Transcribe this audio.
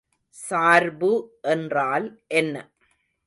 சார்பு என்றால் என்ன?